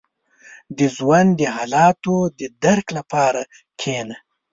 • د ژوند د حالاتو د درک لپاره کښېنه.